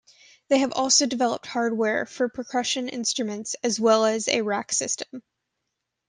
They have also developed hardware for percussion instruments as well as a rack system.